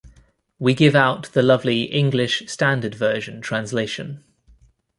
We give out the lovely English Standard Version translation.